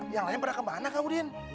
yang lain pernah kemana kak udin